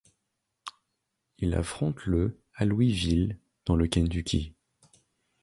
Il affronte le à Louisville dans le Kentucky.